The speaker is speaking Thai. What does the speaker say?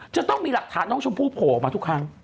จะต้องมีหลักฐานน้องชมพู่โผล่ออกมาทุกครั้ง